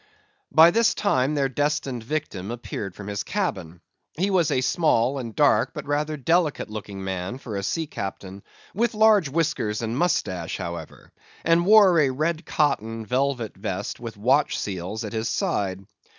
By this time their destined victim appeared from his cabin. He was a small and dark, but rather delicate looking man for a sea captain, with large whiskers and moustache, however; and wore a red cotton velvet vest with watch seals at his side.